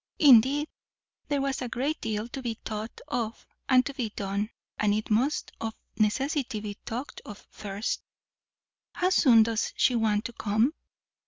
Indeed, there was a great deal to be thought of and to be done, and it must of necessity be talked of first. "How soon does she want to come?"